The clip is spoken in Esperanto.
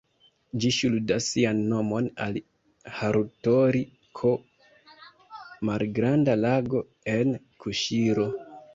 Ĝi ŝuldas sian nomon al "Harutori-ko", malgranda lago en Kuŝiro.